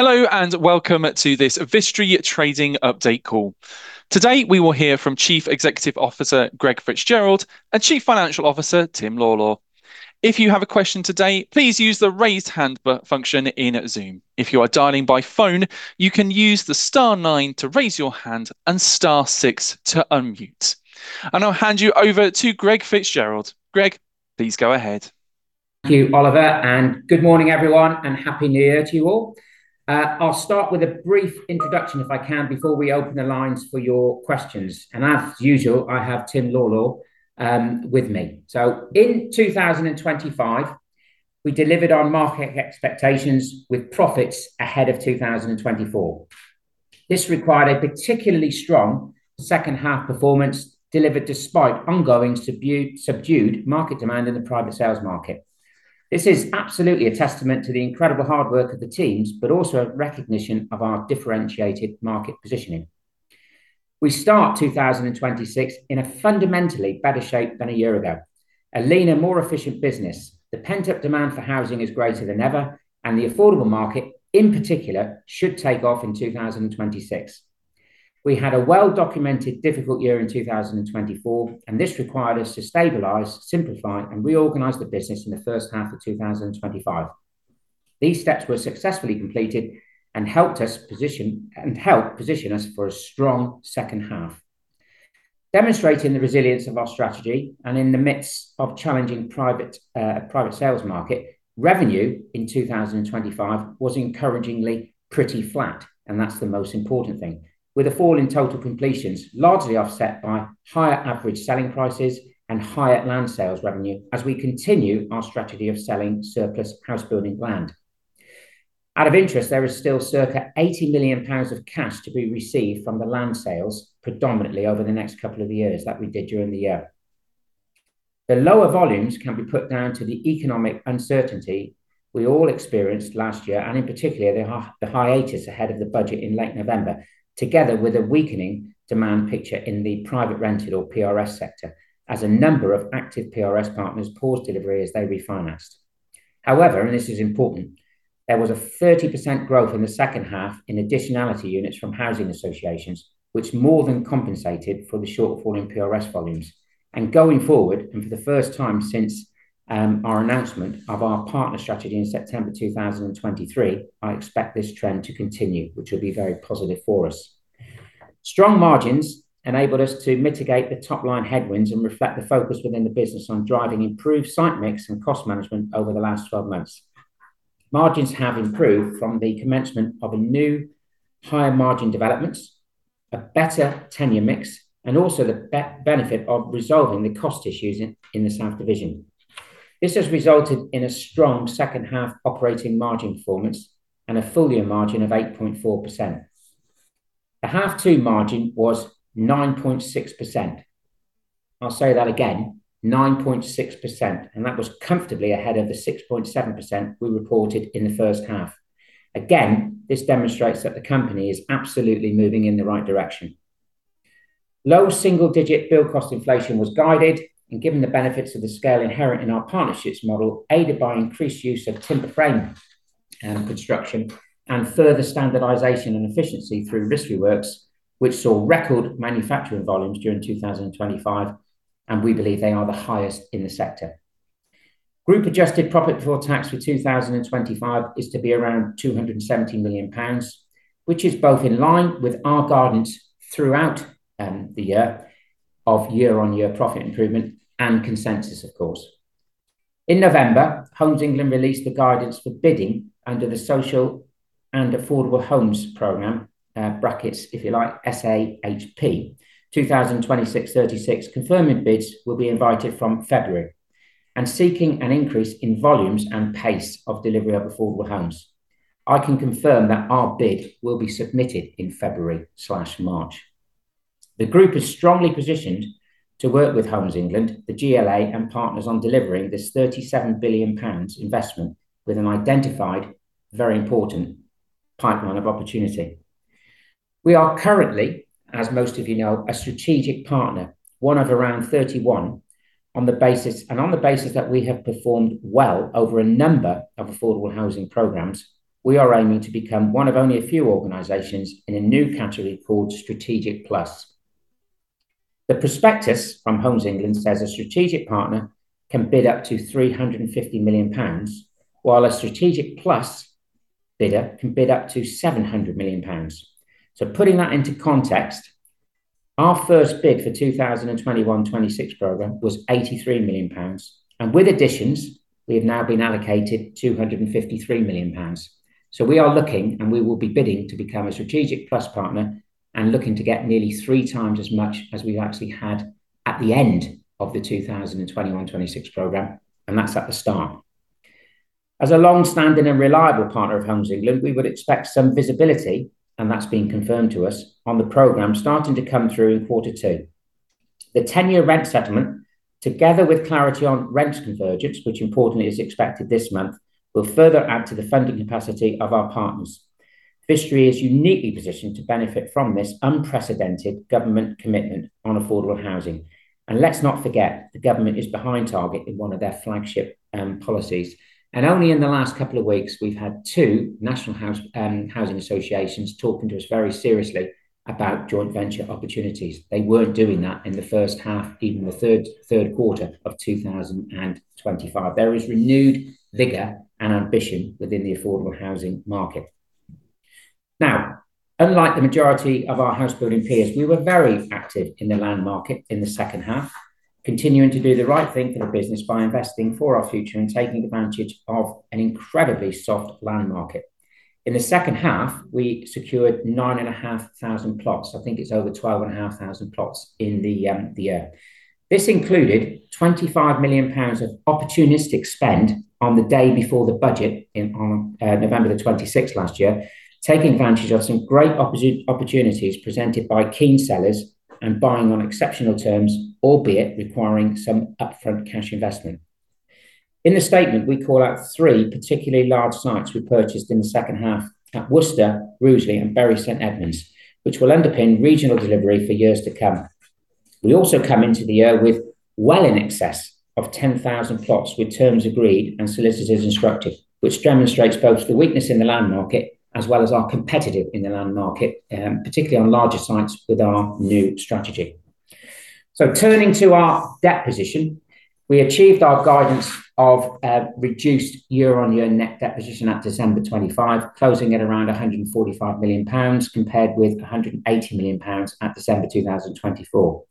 Hello and welcome to this Vistry Trading Update call. Today we will hear from Chief Executive Officer Greg Fitzgerald and Chief Financial Officer Tim Lawlor. If you have a question today, please use the raised hand function in Zoom. If you are dialing by phone, you can use the star nine to raise your hand and star six to unmute, and I'll hand you over to Greg Fitzgerald. Greg, please go ahead. Thank you, Oliver, and good morning everyone and happy New Year to you all. I'll start with a brief introduction if I can before we open the lines for your questions. And as usual, I have Tim Lawlor with me. So in 2025, we delivered on market expectations with profits ahead of 2024. This required a particularly strong second-half performance delivered despite ongoing subdued market demand in the private sales market. This is absolutely a testament to the incredible hard work of the teams, but also a recognition of our differentiated market positioning. We start 2026 in a fundamentally better shape than a year ago. A leaner, more efficient business, the pent-up demand for housing is greater than ever, and the affordable market in particular should take off in 2026. We had a well-documented difficult year in 2024, and this required us to stabilize, simplify, and reorganize the business in the first half of 2025. These steps were successfully completed and helped us position and help position us for a strong second half. Demonstrating the resilience of our strategy and in the midst of challenging private sales market, revenue in 2025 was encouragingly pretty flat, and that's the most important thing. With a fall in total completions, largely offset by higher average selling prices and higher land sales revenue as we continue our strategy of selling surplus house building land. Out of interest, there is still circa 80 million pounds of cash to be received from the land sales predominantly over the next couple of years that we did during the year. The lower volumes can be put down to the economic uncertainty we all experienced last year and in particular the hiatus ahead of the Budget in late November, together with a weakening demand picture in the private rented or PRS sector as a number of active PRS partners paused delivery as they refinanced. However, and this is important, there was a 30% growth in the second half in additionality units from housing associations, which more than compensated for the shortfall in PRS volumes, and going forward, and for the first time since our announcement of our partner strategy in September 2023, I expect this trend to continue, which will be very positive for us. Strong margins enabled us to mitigate the top line headwinds and reflect the focus within the business on driving improved site mix and cost management over the last 12 months. Margins have improved from the commencement of a new higher margin development, a better tenure mix, and also the benefit of resolving the cost issues in the South Division. This has resulted in a strong second half operating margin performance and a full year margin of 8.4%. The H2 margin was 9.6%. I'll say that again, 9.6%, and that was comfortably ahead of the 6.7% we reported in the first half. Again, this demonstrates that the company is absolutely moving in the right direction. Low single digit build cost inflation was guided and given the benefits of the scale inherent in our partnerships model, aided by increased use of timber frame construction and further standardization and efficiency through Vistry Works, which saw record manufacturing volumes during 2025, and we believe they are the highest in the sector. Group adjusted profit before tax for 2025 is to be around 270 million pounds, which is both in line with our guidance throughout the year of year on year profit improvement and consensus, of course. In November, Homes England released the guidance for bidding under the Social and Affordable Homes Programme, brackets if you like, SAHP 2026-2036 confirming bids will be invited from February and seeking an increase in volumes and pace of delivery of affordable homes. I can confirm that our bid will be submitted in February slash March. The group is strongly positioned to work with Homes England, the GLA, and partners on delivering this 37 billion pounds investment with an identified very important pipeline of opportunity. We are currently, as most of you know, a strategic partner, one of around 31 on the basis, and on the basis that we have performed well over a number of affordable housing programs, we are aiming to become one of only a few organizations in a new category called Strategic Plus. The prospectus from Homes England says a strategic partner can bid up to 350 million pounds, while a Strategic Plus bidder can bid up to 700 million pounds. So putting that into context, our first bid for the 2021-2026 program was 83 million pounds, and with additions, we have now been allocated 253 million pounds. So we are looking, and we will be bidding to become a Strategic Plus partner and looking to get nearly three times as much as we've actually had at the end of the 2021-2026 program, and that's at the start. As a long-standing and reliable partner of Homes England, we would expect some visibility, and that's been confirmed to us on the program starting to come through in quarter two. The 10-year rent settlement, together with clarity on rent convergence, which importantly is expected this month, will further add to the funding capacity of our partners. Vistry is uniquely positioned to benefit from this unprecedented government commitment on affordable housing. And let's not forget, the government is behind target in one of their flagship policies. And only in the last couple of weeks, we've had two national housing associations talking to us very seriously about joint venture opportunities. They weren't doing that in the first half, even the third quarter of 2025. There is renewed vigor and ambition within the affordable housing market. Now, unlike the majority of our housebuilding peers, we were very active in the land market in the second half, continuing to do the right thing for the business by investing for our future and taking advantage of an incredibly soft land market. In the second half, we secured nine and a half thousand plots. I think it's over twelve and a half thousand plots in the year. This included 25 million pounds of opportunistic spend on the day before the budget on November the 26th last year, taking advantage of some great opportunities presented by keen sellers and buying on exceptional terms, albeit requiring some upfront cash investment. In the statement, we call out three particularly large sites we purchased in the second half at Worcester, Rugeley, and Bury St Edmunds, which will underpin regional delivery for years to come. We also come into the year with well in excess of 10,000 plots with terms agreed and solicitors instructed, which demonstrates both the weakness in the land market as well as our competitiveness in the land market, particularly on larger sites with our new strategy. So turning to our debt position, we achieved our guidance of reduced year on year net debt position at December 2023, closing at around 145 million pounds compared with 180 million pounds at December 2022.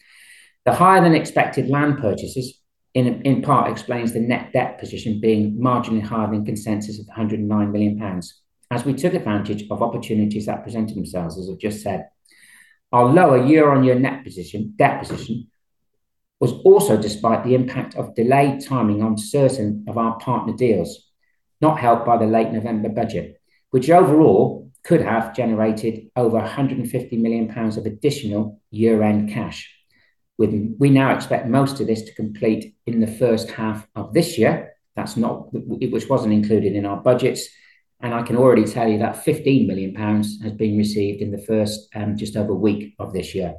The higher than expected land purchases in part explains the net debt position being marginally higher than consensus of 109 million pounds as we took advantage of opportunities that presented themselves, as I've just said. Our lower year on year net position was also despite the impact of delayed timing on certain of our partner deals, not helped by the late November budget, which overall could have generated over 150 million pounds of additional year-end cash. We now expect most of this to complete in the first half of this year, which wasn't included in our budgets, and I can already tell you that 15 million pounds has been received in the first just over a week of this year.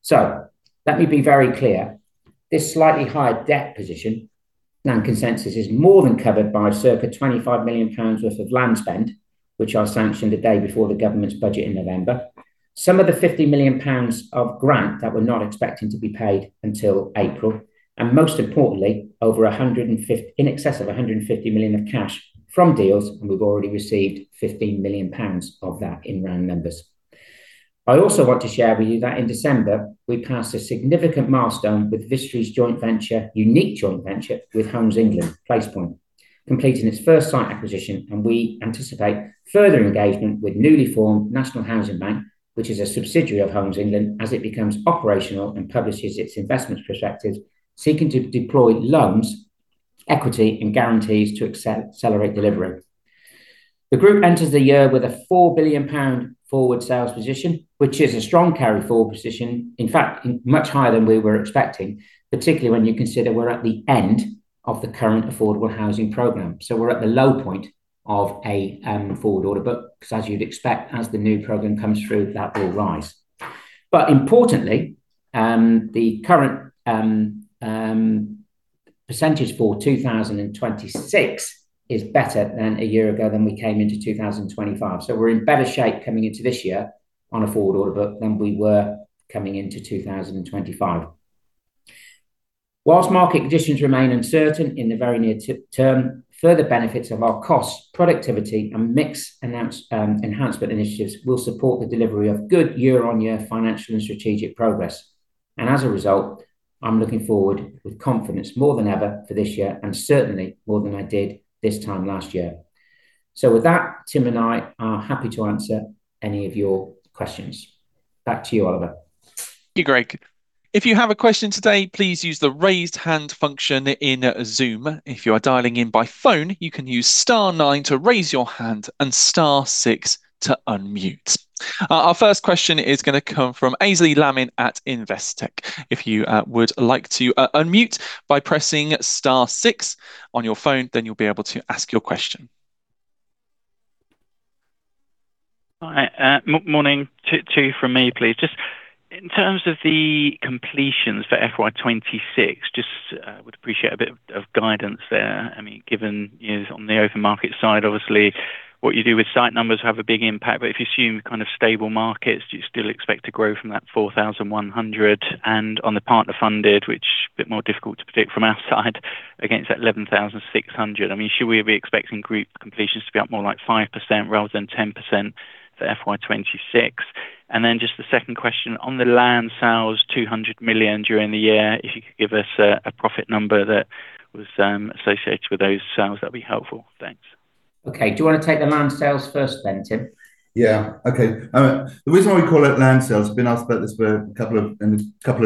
So let me be very clear. This slightly higher debt position than consensus is more than covered by circa 25 million pounds worth of land spend, which are sanctioned a day before the government's budget in November, some of the 50 million pounds of grant that we're not expecting to be paid until April, and most importantly, over in excess of 150 million of cash from deals, and we've already received 15 million pounds of that in round numbers. I also want to share with you that in December, we passed a significant milestone with Vistry's joint venture, unique joint venture with Homes England, Placepoint, completing its first site acquisition, and we anticipate further engagement with newly formed National Housing Bank, which is a subsidiary of Homes England, as it becomes operational and publishes its investment prospectus, seeking to deploy loans, equity, and guarantees to accelerate delivery. The group enters the year with a 4 billion pound forward sales position, which is a strong carry forward position, in fact, much higher than we were expecting, particularly when you consider we're at the end of the current affordable housing program, so we're at the low point of a forward order book, because as you'd expect, as the new program comes through, that will rise, but importantly, the current percentage for 2026 is better than a year ago than we came into 2025, so we're in better shape coming into this year on a forward order book than we were coming into 2025. Whilst market conditions remain uncertain in the very near term, further benefits of our costs, productivity, and mixed enhancement initiatives will support the delivery of good year-on-year financial and strategic progress. As a result, I'm looking forward with confidence more than ever for this year and certainly more than I did this time last year. With that, Tim and I are happy to answer any of your questions. Back to you, Oliver. Thank you, Greg. If you have a question today, please use the raised hand function in Zoom. If you are dialing in by phone, you can use star nine to raise your hand and star six to unmute. Our first question is going to come from Aynsley Lammin at Investec. If you would like to unmute by pressing star six on your phone, then you'll be able to ask your question. All right. Morning to you from me, please. Just in terms of the completions for FY 2026, just would appreciate a bit of guidance there. I mean, given on the open market side, obviously what you do with site numbers have a big impact, but if you assume kind of stable markets, do you still expect to grow from that 4,100? And on the partner funded, which is a bit more difficult to predict from our side against that 11,600, I mean, should we be expecting group completions to be up more like 5% rather than 10% for FY 2026? And then just the second question on the land sales, 200 million during the year, if you could give us a profit number that was associated with those sales, that would be helpful. Thanks. Okay. Do you want to take the land sales first then, Tim? Yeah. Okay. The reason why we call it land sales has been asked about this in a couple of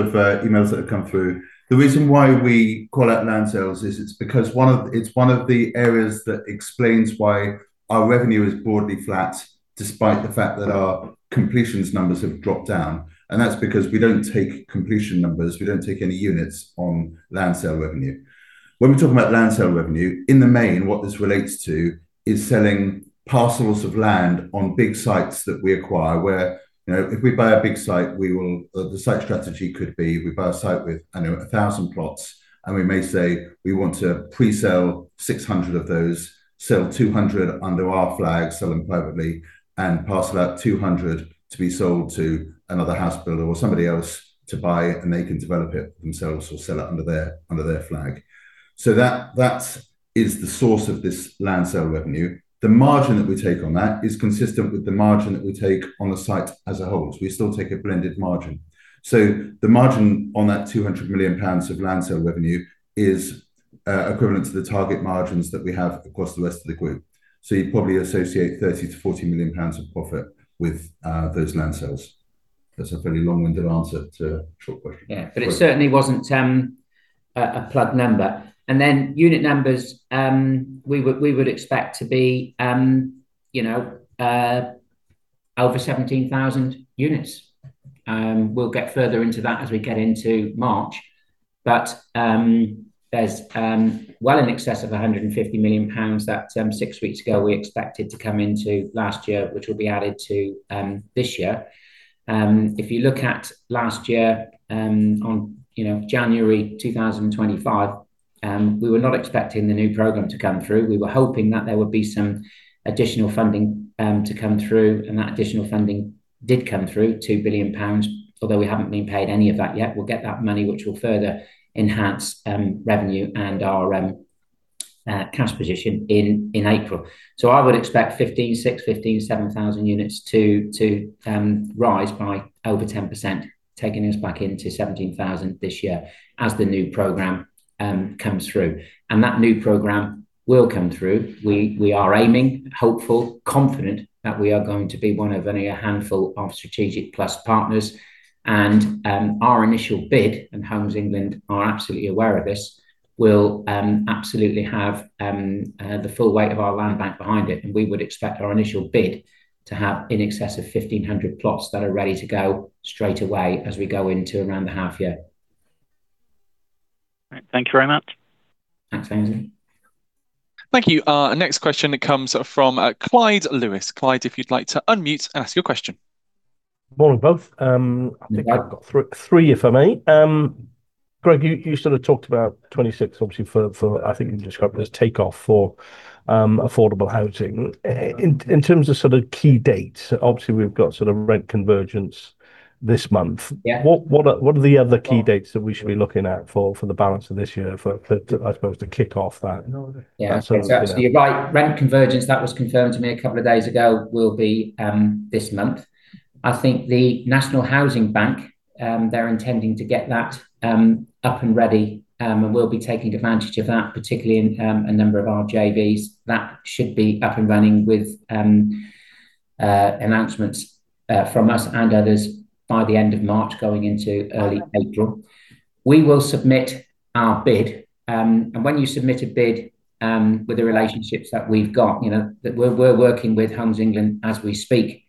emails that have come through. The reason why we call it land sales is it's because it's one of the areas that explains why our revenue is broadly flat despite the fact that our completions numbers have dropped down and that's because we don't take completion numbers. We don't take any units on land sale revenue. When we talk about land sale revenue, in the main, what this relates to is selling parcels of land on big sites that we acquire, where if we buy a big site, the site strategy could be we buy a site with, I don't know, 1,000 plots, and we may say we want to pre-sell 600 of those, sell 200 under our flag, sell them privately, and parcel out 200 to be sold to another house builder or somebody else to buy, and they can develop it themselves or sell it under their flag. So that is the source of this land sale revenue. The margin that we take on that is consistent with the margin that we take on the site as a whole. We still take a blended margin. The margin on that 200 million pounds of land sale revenue is equivalent to the target margins that we have across the rest of the group. You probably associate 30 million-40 million pounds of profit with those land sales. That's a fairly long-winded answer to a short question. Yeah, but it certainly wasn't a plugged number. And then unit numbers, we would expect to be over 17,000 units. We'll get further into that as we get into March. But there's well in excess of 150 million pounds that six weeks ago we expected to come into last year, which will be added to this year. If you look at last year on January 2025, we were not expecting the new program to come through. We were hoping that there would be some additional funding to come through, and that additional funding did come through, 2 billion pounds, although we haven't been paid any of that yet. We'll get that money, which will further enhance revenue and our cash position in April. So I would expect 15,000, 6,000, 15,000, 7,000 units to rise by over 10%, taking us back into 17,000 this year as the new program comes through. That new program will come through. We are aiming, hopeful, confident that we are going to be one of only a handful of Strategic Plus partners. Our initial bid, and Homes England are absolutely aware of this, will absolutely have the full weight of our land bank behind it. We would expect our initial bid to have in excess of 1,500 plots that are ready to go straight away as we go into around the half year. Thank you very much. Thanks, Ainsley. Thank you. Next question comes from Clyde Lewis. Clyde, if you'd like to unmute and ask your question. Morning both. I think I've got three if I may. Greg, you sort of talked about 26, obviously, for I think you described it as takeoff for affordable housing. In terms of sort of key dates, obviously, we've got sort of rent convergence this month. What are the other key dates that we should be looking at for the balance of this year for, I suppose, to kick off that? Yeah, absolutely. Right. Rent convergence, that was confirmed to me a couple of days ago, will be this month. I think the National Housing Bank, they're intending to get that up and ready, and we'll be taking advantage of that, particularly in a number of our JVs. That should be up and running with announcements from us and others by the end of March going into early April. We will submit our bid. And when you submit a bid with the relationships that we've got, we're working with Homes England as we speak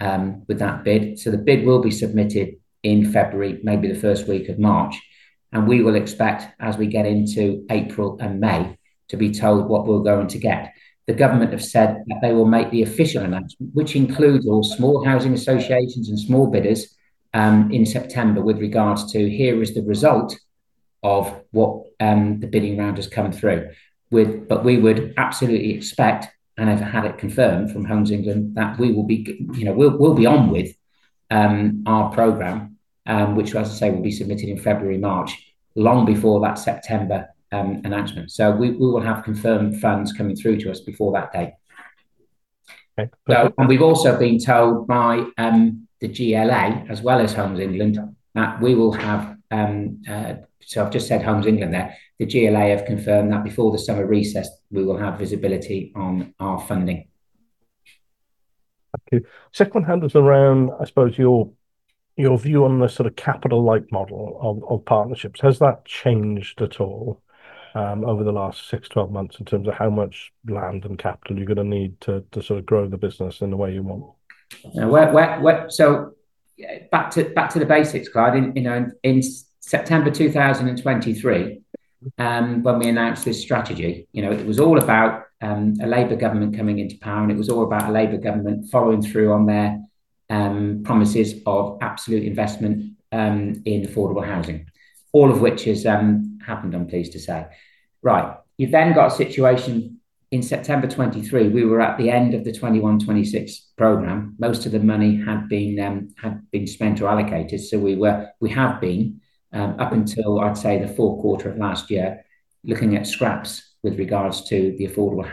with that bid. So the bid will be submitted in February, maybe the first week of March. And we will expect, as we get into April and May, to be told what we're going to get. The government have said that they will make the official announcement, which includes all small housing associations and small bidders in September with regards to here is the result of what the bidding round has come through, but we would absolutely expect, and have had it confirmed from Homes England, that we will be on with our program, which, as I say, will be submitted in February, March, long before that September announcement, so we will have confirmed funds coming through to us before that date, and we've also been told by the GLA, as well as Homes England, that we will have—so I've just said Homes England there—the GLA have confirmed that before the summer recess, we will have visibility on our funding. Thank you. Second question around, I suppose, your view on the sort of capital light model of partnerships. Has that changed at all over the last six, 12 months in terms of how much land and capital you're going to need to sort of grow the business in the way you want? So back to the basics, Clyde. In September 2023, when we announced this strategy, it was all about a Labour government coming into power, and it was all about a Labour government following through on their promises of absolute investment in affordable housing, all of which has happened, I'm pleased to say. Right. You've then got a situation in September 2023. We were at the end of the 21-26 program. Most of the money had been spent or allocated. So we have been, up until, I'd say, the fourth quarter of last year, looking at scraps with regards to the affordable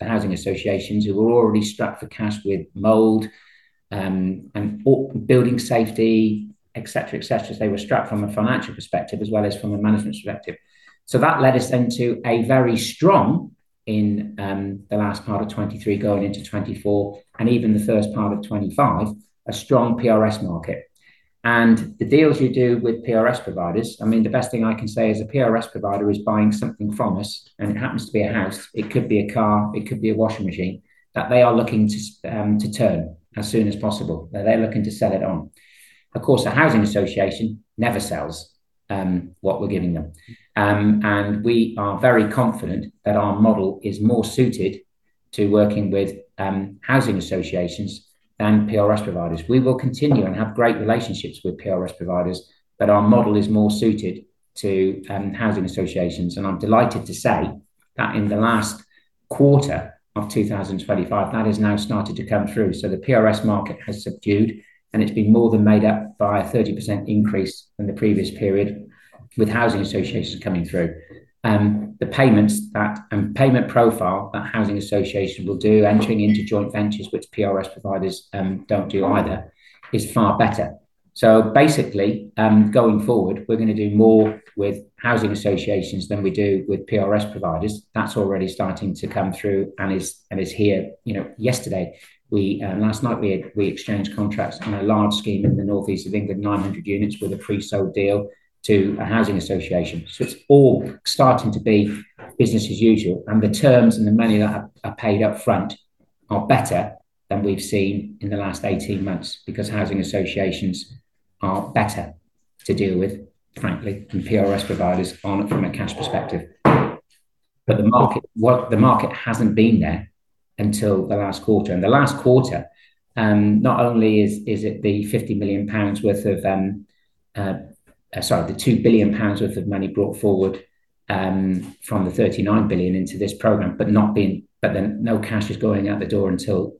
housing associations who were already strapped for cash with mold and building safety, etc., etc. They were strapped from a financial perspective as well as from a management perspective. So that led us then to a very strong PRS market in the last part of 2023 going into 2024, and even the first part of 2025. And the deals you do with PRS providers, I mean, the best thing I can say as a PRS provider is buying something from us, and it happens to be a house, it could be a car, it could be a washing machine, that they are looking to turn as soon as possible. They're looking to sell it on. Of course, a housing association never sells what we're giving them. And we are very confident that our model is more suited to working with housing associations than PRS providers. We will continue and have great relationships with PRS providers, but our model is more suited to housing associations. I'm delighted to say that in the last quarter of 2025, that has now started to come through. The PRS market has subdued, and it's been more than made up by a 30% increase in the previous period with housing associations coming through. The payment profile that housing associations will do entering into joint ventures, which PRS providers don't do either, is far better. Basically, going forward, we're going to do more with housing associations than we do with PRS providers. That's already starting to come through and is here yesterday. Last night, we exchanged contracts on a large scheme in the Northeast England, 900 units with a pre-sold deal to a housing association. It's all starting to be business as usual. And the terms and the money that are paid upfront are better than we've seen in the last 18 months because housing associations are better to deal with, frankly, than PRS providers from a cash perspective. But the market hasn't been there until the last quarter. And the last quarter, not only is it the 50 million pounds worth of - sorry, the 2 billion pounds worth of money brought forward from the 39 billion into this program, but no cash is going out the door until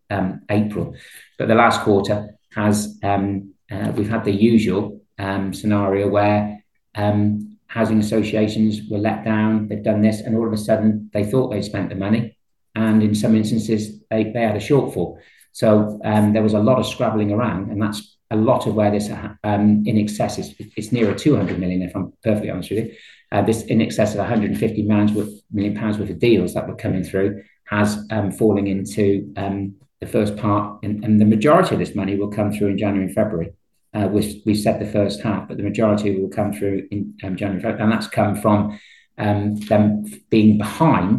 April. But the last quarter, we've had the usual scenario where housing associations were let down. They've done this, and all of a sudden, they thought they'd spent the money. And in some instances, they had a shortfall. So there was a lot of scrambling around, and that's a lot of where this in excess is - it's near a 200 million, if I'm perfectly honest with you. This in excess of 150 million pounds worth of deals that were coming through has fallen into the first part. And the majority of this money will come through in January and February. We've said the first half, but the majority will come through in January and February. And that's come from them being behind.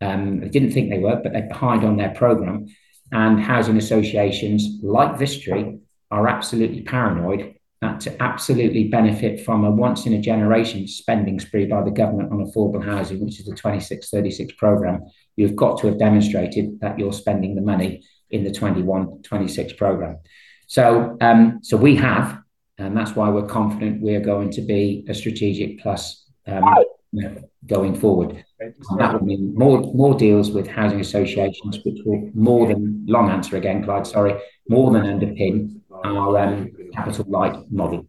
They didn't think they were, but they're behind on their program. And housing associations like Vistry are absolutely paranoid that to absolutely benefit from a once-in-a-generation spending spree by the government on affordable housing, which is the 2026-36 program, you've got to have demonstrated that you're spending the money in the 2021-26 program. So we have, and that's why we're confident we are going to be a Strategic Plus going forward. That would mean more deals with housing associations, which will, more than, long answer again, Clyde, sorry, more than underpin our capital light model.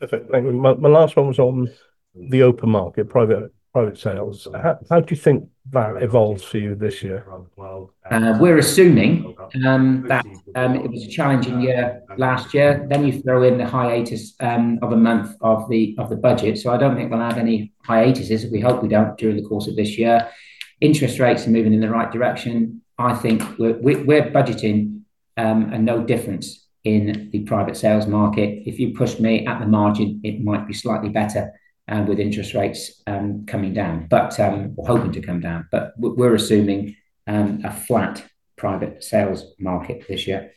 Perfect. My last one was on the open market, private sales. How do you think that evolves for you this year? We're assuming that it was a challenging year last year, then you throw in the hiatus of a month of the budget, so I don't think we'll have any hiatuses, we hope we don't during the course of this year. Interest rates are moving in the right direction. I think we're budgeting a no difference in the private sales market. If you push me at the margin, it might be slightly better with interest rates coming down, but we're hoping to come down, but we're assuming a flat private sales market this year,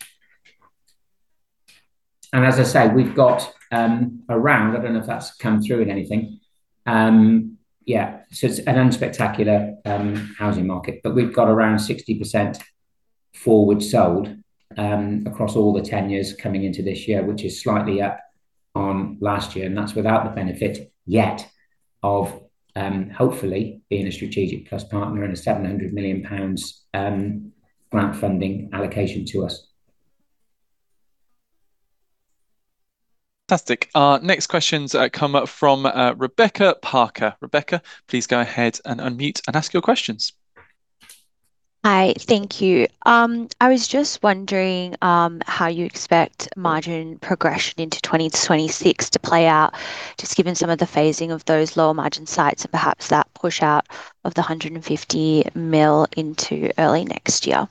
and as I say, we've got around - I don't know if that's come through in anything. Yeah, so it's an unspectacular housing market, but we've got around 60% forward sold across all the 10 years coming into this year, which is slightly up on last year. That's without the benefit yet of hopefully being a Strategic Plus partner and a 700 million pounds grant funding allocation to us. Fantastic. Next questions come from Rebecca Parker. Rebecca, please go ahead and unmute and ask your questions. Hi. Thank you. I was just wondering how you expect margin progression into 2026 to play out, just given some of the phasing of those lower margin sites and perhaps that push out of the 150 million into early next year?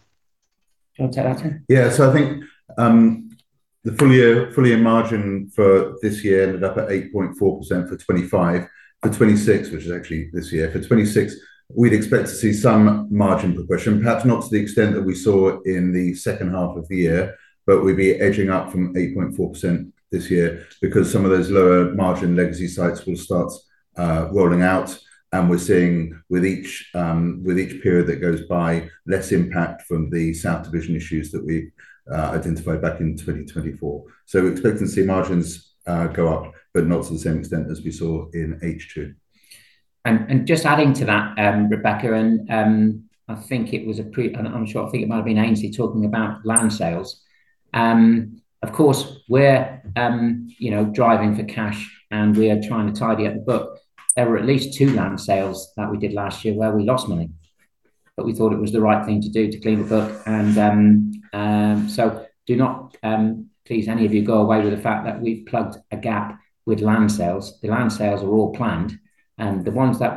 Yeah, so I think the full year margin for this year ended up at 8.4% for 2025, for 2026, which is actually this year. For 2026, we'd expect to see some margin progression, perhaps not to the extent that we saw in the second half of the year, but we'd be edging up from 8.4% this year because some of those lower margin legacy sites will start rolling out, and we're seeing, with each period that goes by, less impact from the South Division issues that we identified back in 2024, so we're expecting to see margins go up, but not to the same extent as we saw in H2, and just adding to that, Rebecca, and I think it was. I'm sure I think it might have been Aynsley talking about land sales. Of course, we're driving for cash, and we are trying to tidy up the book. There were at least two land sales that we did last year where we lost money, but we thought it was the right thing to do to clean the book. So do not, please, any of you go away with the fact that we've plugged a gap with land sales. The land sales were all planned, and the ones that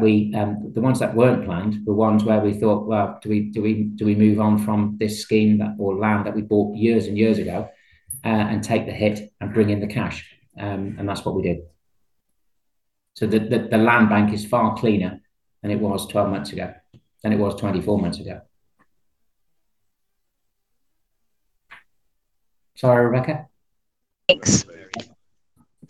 weren't planned were ones where we thought, "Well, do we move on from this scheme or land that we bought years and years ago and take the hit and bring in the cash?" That's what we did. The land bank is far cleaner than it was 12 months ago than it was 24 months ago. Sorry, Rebecca. Thanks.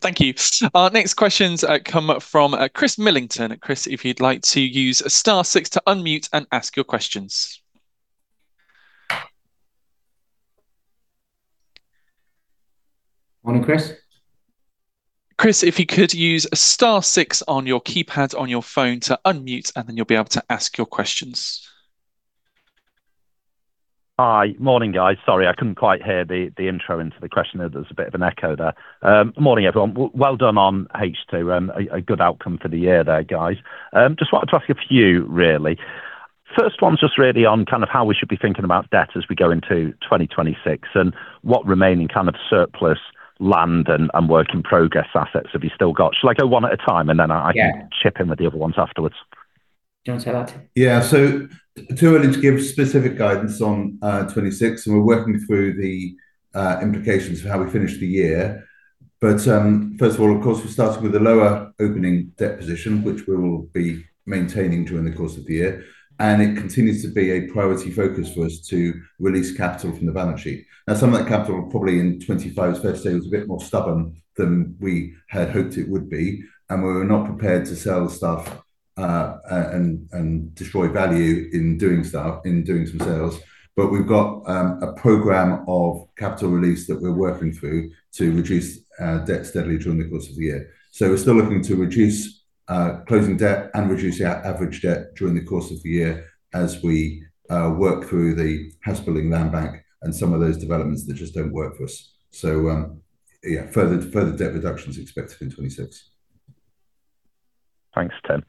Thank you. Next questions come from Chris Millington. Chris, if you'd like to use a star six to unmute and ask your questions. Morning, Chris. Chris, if you could use a star six on your keypad on your phone to unmute, and then you'll be able to ask your questions. Hi. Morning, guys. Sorry, I couldn't quite hear the intro into the question. There's a bit of an echo there. Morning, everyone. Well done on H2. A good outcome for the year there, guys. Just wanted to ask a few, really. First one's just really on kind of how we should be thinking about debt as we go into 2026 and what remaining kind of surplus land and work in progress assets have you still got? Shall I go one at a time, and then I can chip in with the other ones afterwards? Do you want to say that? Yeah. So two of us will give specific guidance on 2026, and we're working through the implications of how we finish the year. But first of all, of course, we're starting with a lower opening debt position, which we will be maintaining during the course of the year. And it continues to be a priority focus for us to release capital from the balance sheet. Now, some of that capital probably in 2025's first day was a bit more stubborn than we had hoped it would be. And we were not prepared to sell stuff and destroy value in doing some sales. But we've got a program of capital release that we're working through to reduce debt steadily during the course of the year. So we're still looking to reduce closing debt and reduce our average debt during the course of the year as we work through the housebuilding land bank and some of those developments that just don't work for us. So yeah, further debt reductions expected in 2026. Thanks, Tim.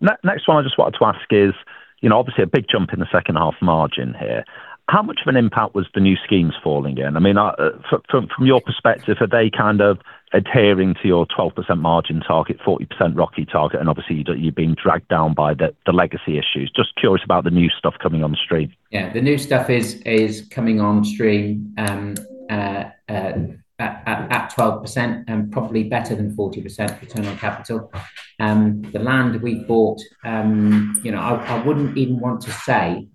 Next one I just wanted to ask is, obviously, a big jump in the second half margin here. How much of an impact was the new schemes falling in? I mean, from your perspective, are they kind of adhering to your 12% margin target, 40% ROCE target, and obviously, you're being dragged down by the legacy issues? Just curious about the new stuff coming on stream. Yeah. The new stuff is coming on stream at 12% and probably better than 40% return on capital. The land we bought, I wouldn't even want to say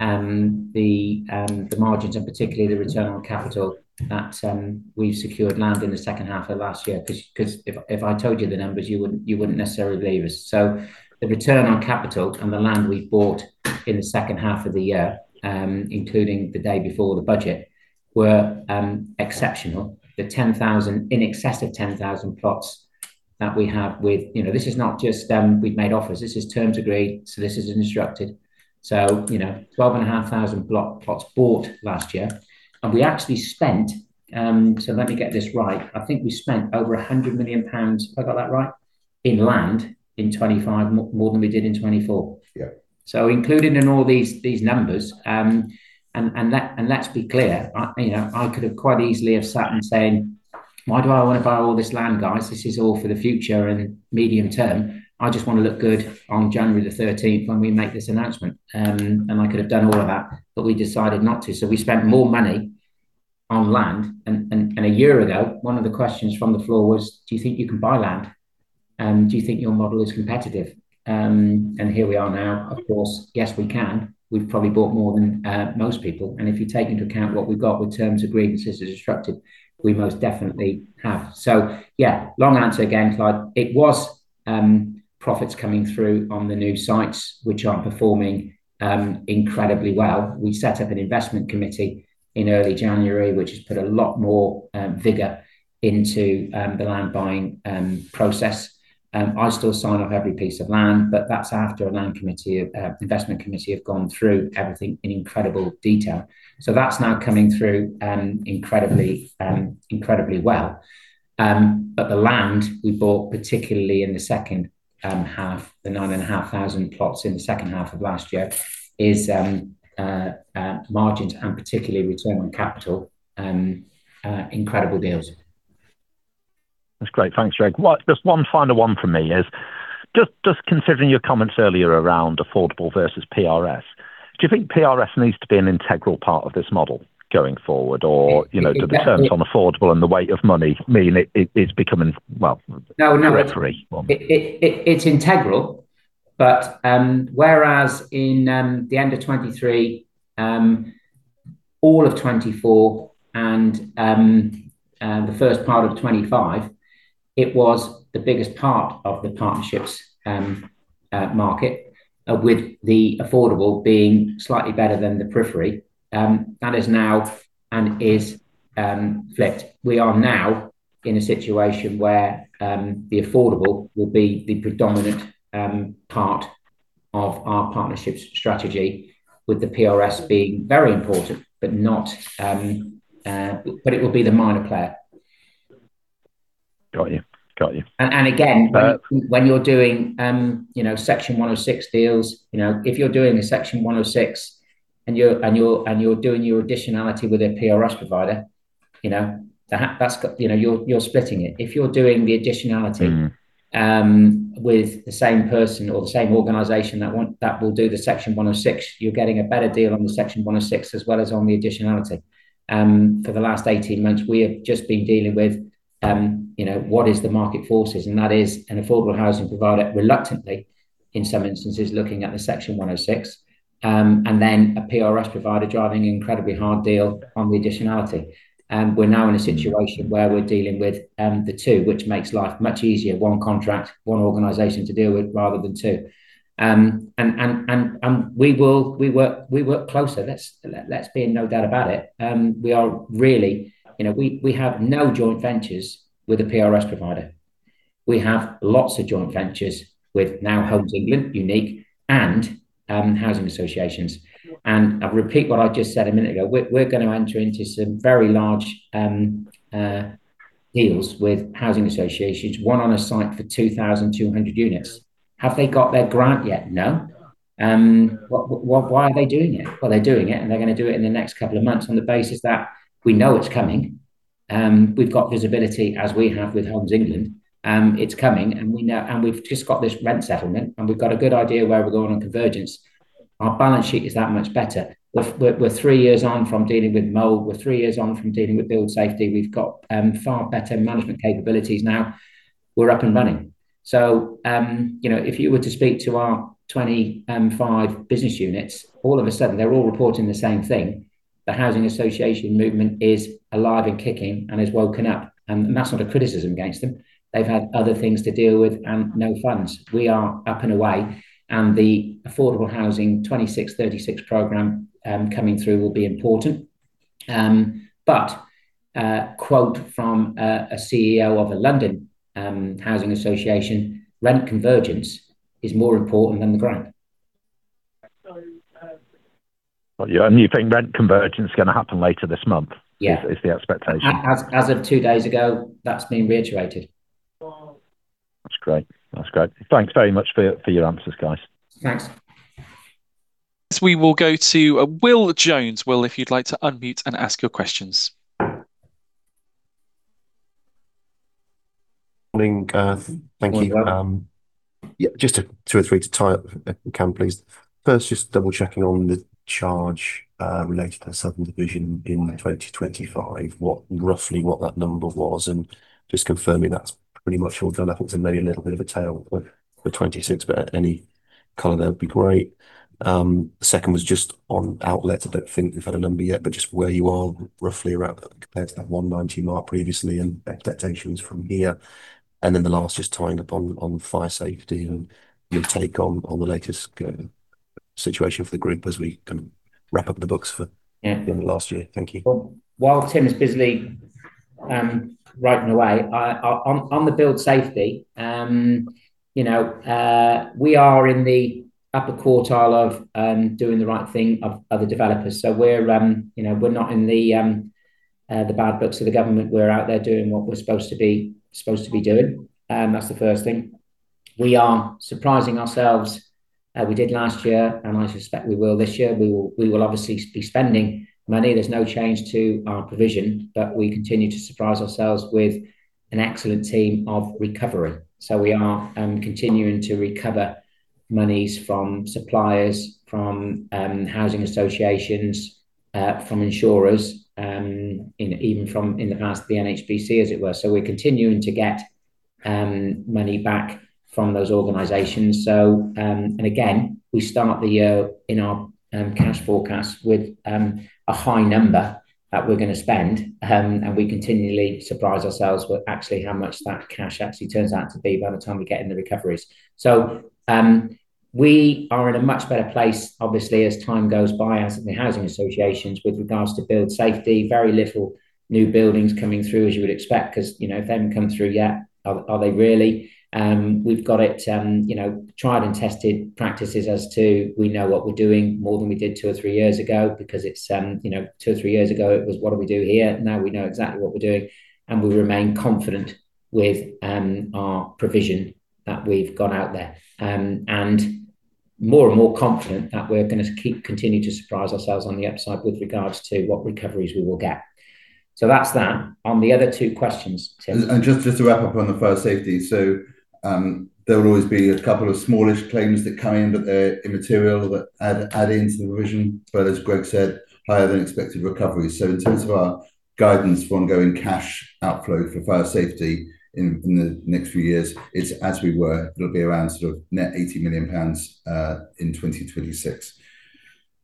the margins and particularly the return on capital that we've secured land in the second half of last year because if I told you the numbers, you wouldn't necessarily believe us. So the return on capital and the land we've bought in the second half of the year, including the day before the budget, were exceptional. The 10,000, in excess of 10,000 plots that we have with this is not just we've made offers. This is terms agreed. So this is instructed. So 12,500 block plots bought last year. And we actually spent—so let me get this right. I think we spent over 100 million pounds. I got that right? In land in 2025, more than we did in 2024. Included in all these numbers, and let's be clear, I could have quite easily sat and said, "Why do I want to buy all this land, guys? This is all for the future and medium term. I just want to look good on January the 13th when we make this announcement." And I could have done all of that, but we decided not to. So we spent more money on land. And a year ago, one of the questions from the floor was, "Do you think you can buy land? Do you think your model is competitive?" And here we are now. Of course, yes, we can. We've probably bought more than most people. And if you take into account what we've got with terms agreements as instructed, we most definitely have. So yeah, long answer again, Chris. It was profits coming through on the new sites, which are performing incredibly well. We set up an investment committee in early January, which has put a lot more vigor into the land buying process. I still sign off every piece of land, but that's after a land committee, investment committee have gone through everything in incredible detail. So that's now coming through incredibly well. But the land we bought, particularly in the second half, the 9,500 plots in the second half of last year, is margins and particularly return on capital, incredible deals. That's great. Thanks, Greg. Just one final one from me is, just considering your comments earlier around affordable versus PRS, do you think PRS needs to be an integral part of this model going forward, or do the terms on affordable and the weight of money mean it's becoming, well, a referee? It's integral. But whereas in the end of 2023, all of 2024 and the first part of 2025, it was the biggest part of the partnerships market, with the affordable being slightly better than the PRS. That is now and is flipped. We are now in a situation where the affordable will be the predominant part of our partnerships strategy, with the PRS being very important, but it will be the minor player. Got you. Got you. And again, when you're doing Section 106 deals, if you're doing a Section 106 and you're doing your additionality with a PRS provider, you're splitting it. If you're doing the additionality with the same person or the same organization that will do the Section 106, you're getting a better deal on the Section 106 as well as on the additionality. For the last 18 months, we have just been dealing with what is the market forces, and that is an affordable housing provider reluctantly, in some instances, looking at the Section 106, and then a PRS provider driving an incredibly hard deal on the additionality. And we're now in a situation where we're dealing with the two, which makes life much easier: one contract, one organization to deal with rather than two. And we work closer. Let's be in no doubt about it. We have no joint ventures with a PRS provider. We have lots of joint ventures with now Homes England, Unique, and housing associations. I'll repeat what I just said a minute ago. We're going to enter into some very large deals with housing associations, one on a site for 2,200 units. Have they got their grant yet? No. Why are they doing it? Well, they're doing it, and they're going to do it in the next couple of months on the basis that we know it's coming. We've got visibility, as we have with Homes England. It's coming, and we've just got this rent settlement, and we've got a good idea where we're going on convergence. Our balance sheet is that much better. We're three years on from dealing with mold. We're three years on from dealing with build safety. We've got far better management capabilities now. We're up and running. So if you were to speak to our 25 business units, all of a sudden, they're all reporting the same thing. The housing association movement is alive and kicking and has woken up. And that's not a criticism against them. They've had other things to deal with and no funds. We are up and away. And the affordable housing 2026-36 program coming through will be important. But quote from a CEO of a London housing association, "Rent convergence is more important than the grant. Yeah, and you think rent convergence is going to happen later this month is the expectation? As of two days ago, that's been reiterated. That's great. That's great. Thanks very much for your answers, guys. Thanks. We will go to Will Jones. Will, if you'd like to unmute and ask your questions. Morning. Thank you. Yeah. Just two or three to tie up if we can, please. First, just double-checking on the charge related to South Division in 2025, roughly what that number was, and just confirming that's pretty much all done. I think there's maybe a little bit of a tail for 2026, but any color there would be great. The second was just on outlets. I don't think we've had a number yet, but just where you are roughly around compared to that 190 mark previously and expectations from here. And then the last, just tying up on fire safety and your take on the latest situation for the group as we kind of wrap up the books for the end of last year. Thank you. While Tim is busily writing away, on the building safety, we are in the upper quartile of doing the right thing of the developers. So we're not in the bad books of the government. We're out there doing what we're supposed to be doing. That's the first thing. We are surprising ourselves. We did last year, and I suspect we will this year. We will obviously be spending money. There's no change to our provision, but we continue to surprise ourselves with an excellent team of recovery. So we are continuing to recover monies from suppliers, from housing associations, from insurers, even from in the past, the NHBC, as it were. So we're continuing to get money back from those organizations. Again, we start the year in our cash forecast with a high number that we're going to spend, and we continually surprise ourselves with actually how much that cash actually turns out to be by the time we get in the recoveries. So we are in a much better place, obviously, as time goes by, as the housing associations with regards to building safety, very little new buildings coming through, as you would expect, because if they haven't come through yet, are they really? We've got it tried and tested practices as to we know what we're doing more than we did two or three years ago because two or three years ago, it was, "What do we do here?" Now we know exactly what we're doing, and we remain confident with our provision that we've got out there and more and more confident that we're going to continue to surprise ourselves on the upside with regards to what recoveries we will get. So that's that. On the other two questions, Tim. And just to wrap up on the fire safety, so there will always be a couple of smallish claims that come in, but they're immaterial that add into the provision. But as Greg said, higher than expected recoveries. So in terms of our guidance for ongoing cash outflow for fire safety in the next few years, it's as we were. It'll be around sort of net 80 million pounds in 2026.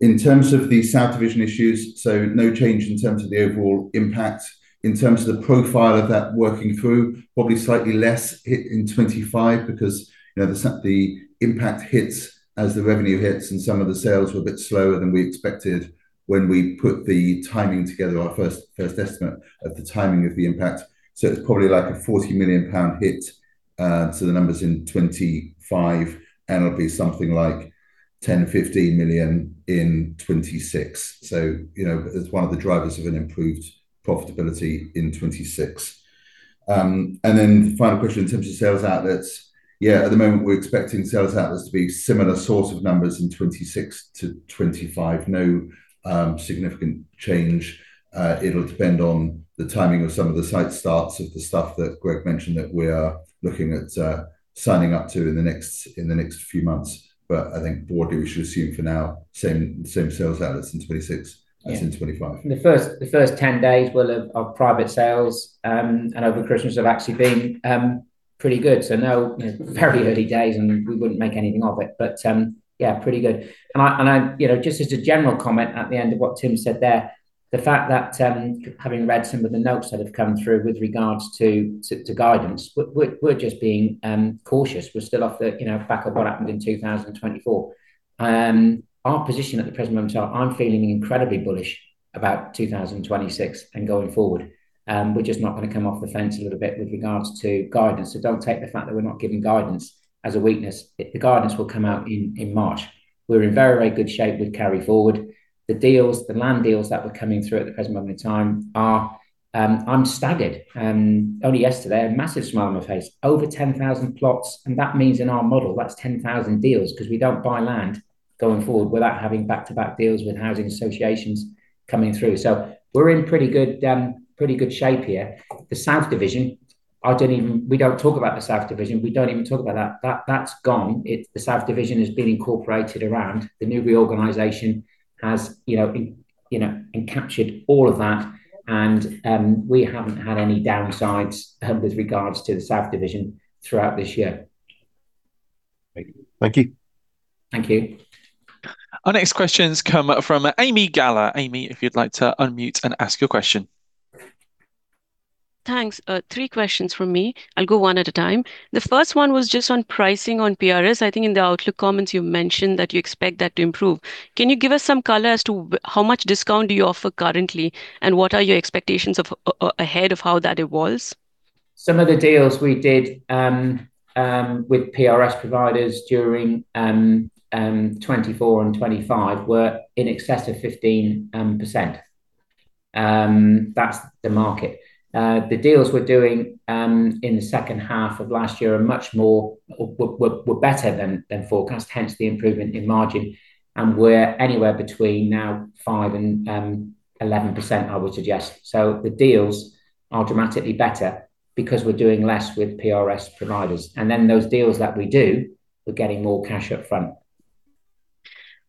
In terms of the South Division issues, so no change in terms of the overall impact. In terms of the profile of that working through, probably slightly less hit in 2025 because the impact hits as the revenue hits and some of the sales were a bit slower than we expected when we put the timing together, our first estimate of the timing of the impact. So it's probably like a 40 million pound hit. The numbers in 2025, and it'll be something like 10 million-15 million in 2026. It's one of the drivers of an improved profitability in 2026. Then the final question in terms of sales outlets. Yeah, at the moment, we're expecting sales outlets to be similar sort of numbers in 2026 to 2025. No significant change. It'll depend on the timing of some of the site starts of the stuff that Greg mentioned that we are looking at signing up to in the next few months. I think broadly, we should assume for now, same sales outlets in 2026 as in 2025. The first 10 days of private sales and over Christmas have actually been pretty good. So, no, very early days, and we wouldn't make anything of it. But yeah, pretty good. And just as a general comment at the end of what Tim said there, the fact that having read some of the notes that have come through with regards to guidance, we're just being cautious. We're still off the back of what happened in 2024. Our position at the present moment, I'm feeling incredibly bullish about 2026 and going forward. We're just not going to come off the fence a little bit with regards to guidance. So don't take the fact that we're not giving guidance as a weakness. The guidance will come out in March. We're in very, very good shape with Carry Forward. The land deals that were coming through at the present moment in time are. I'm staggered. Only yesterday, a massive smile on my face. Over 10,000 plots. That means in our model, that's 10,000 deals because we don't buy land going forward without having back-to-back deals with housing associations coming through. We're in pretty good shape here. The South Division, we don't talk about the South Division. We don't even talk about that. That's gone. The South Division has been incorporated around. The new reorganization has encapsulated all of that, and we haven't had any downsides with regards to the South Division throughout this year. Thank you. Thank you. Our next questions come from Ami Galla. Ami, if you'd like to unmute and ask your question. Thanks. Three questions from me. I'll go one at a time. The first one was just on pricing on PRS. I think in the Outlook comments, you mentioned that you expect that to improve. Can you give us some color as to how much discount do you offer currently, and what are your expectations ahead of how that evolves? Some of the deals we did with PRS providers during 2024 and 2025 were in excess of 15%. That's the market. The deals we're doing in the second half of last year were better than forecast, hence the improvement in margin. And we're anywhere between 5% and 11% now, I would suggest. So the deals are dramatically better because we're doing less with PRS providers. And then those deals that we do, we're getting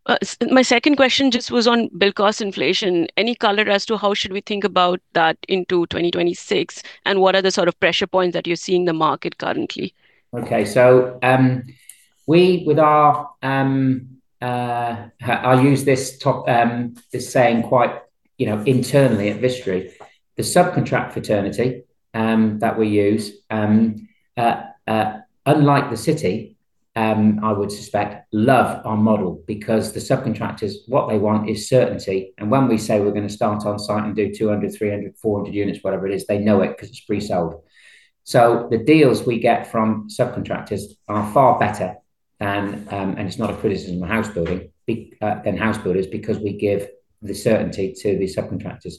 more cash upfront. My second question just was on build cost inflation. Any color as to how should we think about that into 2026, and what are the sort of pressure points that you're seeing in the market currently? Okay. With our, I'll use this saying quite internally at Vistry. The subcontract fraternity that we use, unlike the city, I would suspect, love our model because the subcontractors, what they want is certainty. And when we say we're going to start on site and do 200, 300, 400 units, whatever it is, they know it because it's pre-sold. The deals we get from subcontractors are far better, and it's not a criticism of house builders because we give the certainty to the subcontractors.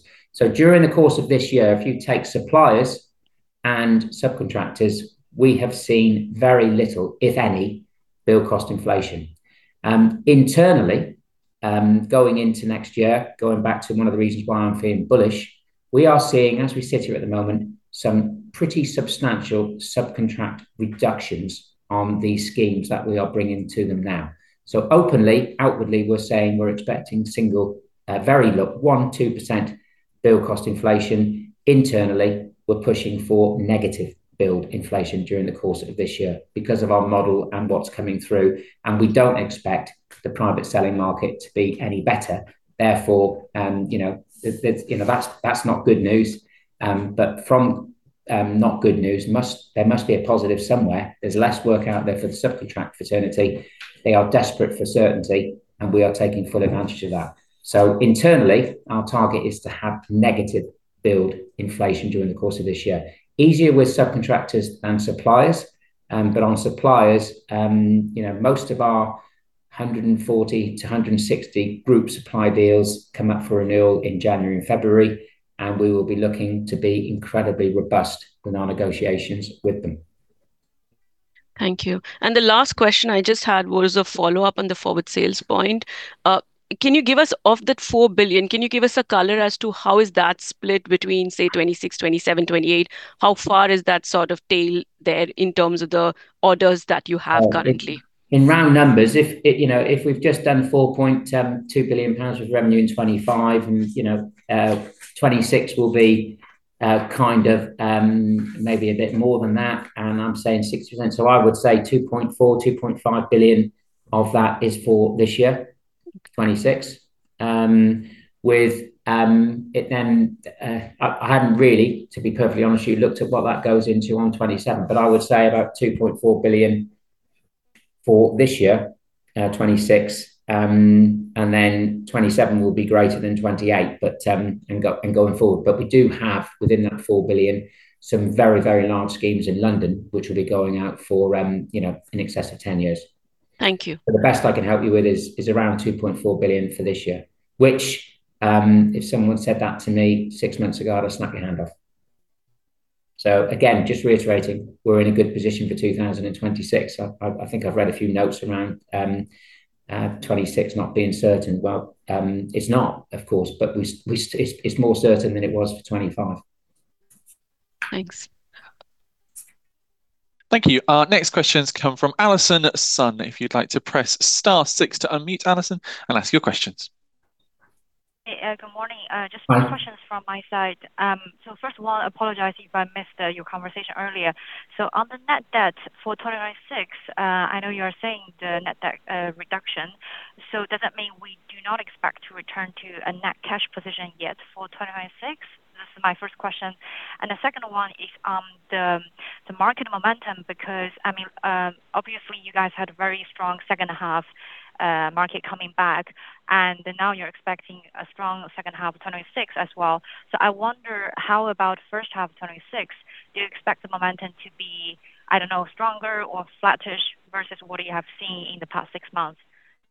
During the course of this year, if you take suppliers and subcontractors, we have seen very little, if any, build cost inflation. Internally, going into next year, going back to one of the reasons why I'm feeling bullish, we are seeing, as we sit here at the moment, some pretty substantial subcontract reductions on these schemes that we are bringing to them now. Openly, outwardly, we're saying we're expecting single very low 1%-2% build cost inflation. Internally, we're pushing for negative build inflation during the course of this year because of our model and what's coming through. We don't expect the private selling market to be any better. Therefore, that's not good news. From not good news, there must be a positive somewhere. There's less work out there for the subcontractor fraternity. They are desperate for certainty, and we are taking full advantage of that. Internally, our target is to have negative build inflation during the course of this year. Easier with subcontractors and suppliers, but on suppliers, most of our 140-160 group supply deals come up for renewal in January and February, and we will be looking to be incredibly robust with our negotiations with them. Thank you. And the last question I just had was a follow-up on the forward sales point. Can you give us, of that 4 billion, can you give us a color as to how is that split between, say, 2026, 2027, 2028? How far is that sort of tail there in terms of the orders that you have currently? In round numbers, if we've just done 4.2 billion pounds of revenue in 2025, and 2026 will be kind of maybe a bit more than that, and I'm saying 6%. So I would say 2.4 billion-2.5 billion of that is for this year, 2026. I haven't really, to be perfectly honest, looked at what that goes into on 2027, but I would say about 2.4 billion for this year, 2026, and then 2027 will be greater than 2028 and going forward. But we do have, within that 4 billion, some very, very large schemes in London, which will be going out for in excess of 10 years. Thank you. The best I can help you with is around 2.4 billion for this year, which, if someone said that to me six months ago, I'd have snapped my hand off. So again, just reiterating, we're in a good position for 2026. I think I've read a few notes around 2026 not being certain. Well, it's not, of course, but it's more certain than it was for 2025. Thanks. Thank you. Our next questions come from Allison Sun, if you'd like to press star six to unmute Alison and ask your questions. Hey, good morning. Just quick questions from my side. So first of all, apologize if I missed your conversation earlier. So on the net debt for 2026, I know you are saying the net debt reduction. So does that mean we do not expect to return to a net cash position yet for 2026? This is my first question. And the second one is on the market momentum because, I mean, obviously, you guys had a very strong second-half market coming back, and now you're expecting a strong second half of 2026 as well. So I wonder, how about first half of 2026? Do you expect the momentum to be, I don't know, stronger or flattish versus what you have seen in the past six months?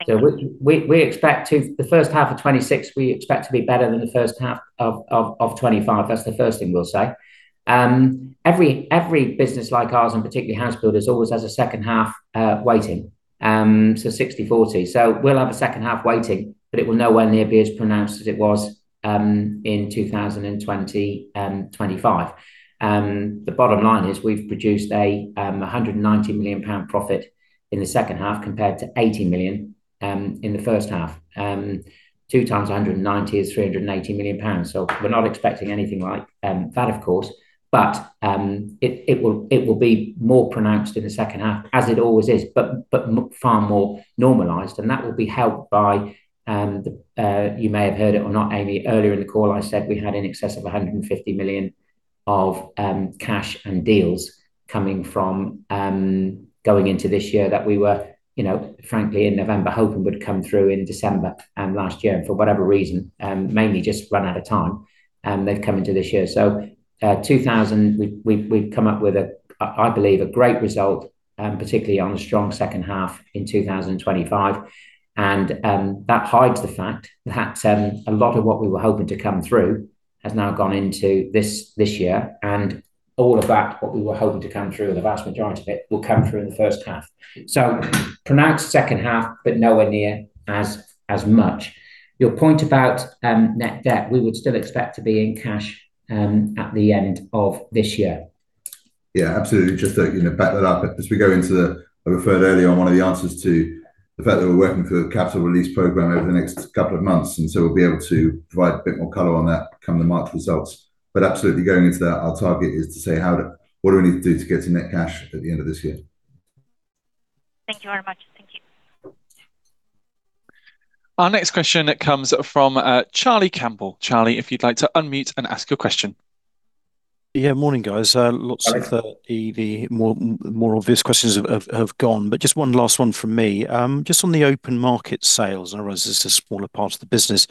We expect the first half of 2026, we expect to be better than the first half of 2025. That's the first thing we'll say. Every business like ours, and particularly House Builders, always has a second half weighting, so 60/40. So we'll have a second half weighting, but it will nowhere near be as pronounced as it was in 2020 and 2025. The bottom line is we've produced a 190 million pound profit in the second half compared to 80 million in the first half. Two times 190 is 380 million pounds. So we're not expecting anything like that, of course, but it will be more pronounced in the second half, as it always is, but far more normalized. That will be helped by, you may have heard it or not, Ami, earlier in the call. I said we had in excess of 150 million of cash and deals coming from going into this year that we were, frankly, in November hoping would come through in December last year, and for whatever reason, mainly just run out of time, they've come into this year. So 2,000, we've come up with, I believe, a great result, particularly on a strong second half in 2025. That hides the fact that a lot of what we were hoping to come through has now gone into this year. All of that, what we were hoping to come through, the vast majority of it, will come through in the first half. So pronounced second half, but nowhere near as much. Your point about net debt, we would still expect to be in cash at the end of this year. Yeah, absolutely. Just to back that up, as we go into the year, I referred earlier on one of the answers to the fact that we're working for a capital release program over the next couple of months. And so we'll be able to provide a bit more color on that come the March results. But absolutely, going into that, our target is to say, what do we need to do to get to net cash at the end of this year. Thank you very much. Thank you. Our next question comes from Charlie Campbell. Charlie, if you'd like to unmute and ask your question. Yeah, morning, guys. Lots of the more obvious questions have gone. But just one last one from me. Just on the open market sales, and otherwise, this is a smaller part of the business.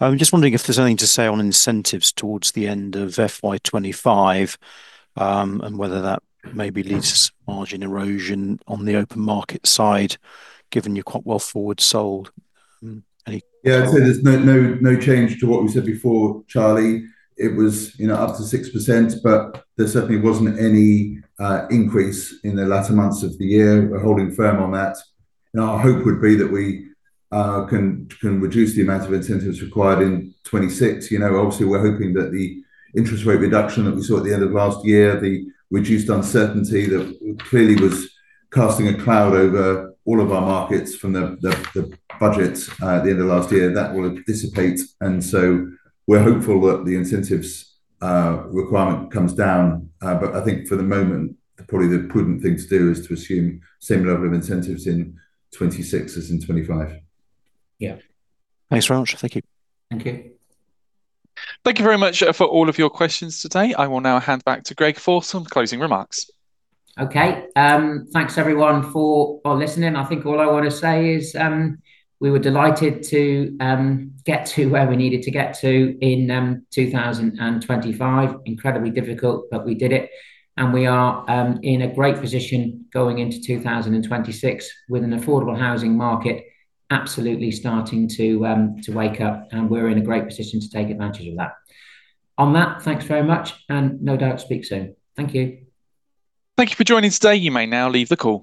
I'm just wondering if there's anything to say on incentives towards the end of FY 2025 and whether that maybe leads to some margin erosion on the open market side, given you're quite well forward sold. Yeah, I'd say there's no change to what we said before, Charlie. It was up to 6%, but there certainly wasn't any increase in the latter months of the year. We're holding firm on that. Our hope would be that we can reduce the amount of incentives required in 2026. Obviously, we're hoping that the interest rate reduction that we saw at the end of last year, the reduced uncertainty that clearly was casting a cloud over all of our markets from the budgets at the end of last year, that will dissipate. And so we're hopeful that the incentives requirement comes down. But I think for the moment, probably the prudent thing to do is to assume the same level of incentives in 2026 as in 2025. Yeah. Thanks very much. Thank you. Thank you. Thank you very much for all of your questions today. I will now hand back to Greg Fitzgerald for closing remarks. Okay. Thanks, everyone, for listening. I think all I want to say is we were delighted to get to where we needed to get to in 2025. Incredibly difficult, but we did it. And we are in a great position going into 2026 with an affordable housing market absolutely starting to wake up. And we're in a great position to take advantage of that. On that, thanks very much. And no doubt, speak soon. Thank you. Thank you for joining today. You may now leave the call.